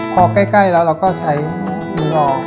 พอใกล้แล้วเราก็ใช้มือรอ